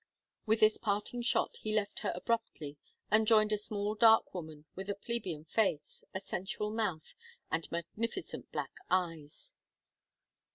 With this parting shot he left her abruptly and joined a small dark woman with a plebeian face, a sensual mouth, and magnificent black eyes.